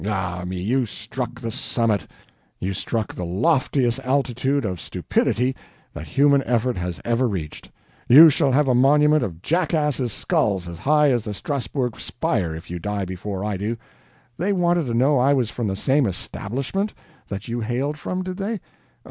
"Ah, me, you struck the summit! You struck the loftiest altitude of stupidity that human effort has ever reached. You shall have a monument of jackasses' skulls as high as the Strasburg spire if you die before I do. They wanted to know I was from the same 'establishment' that you hailed from, did they?